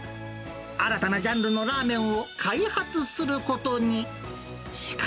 新たなジャンルのラーメンを開発することに。